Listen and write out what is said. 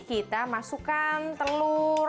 kita masukkan telur